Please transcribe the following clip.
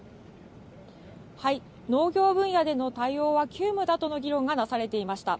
農業分野での対応は急務だと議論がなされていました。